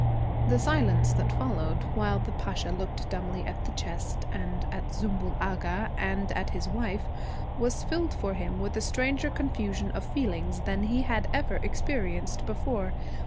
The silence that followed, while the Pasha looked dumbly at the chest, and at Zümbül Agha, and at his wife, was filled for him with a stranger confusion of feelings than he had ever experienced before.